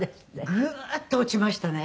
グーッと落ちましたね。